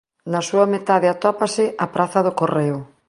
Na súa metade atópase a Praza do Correo.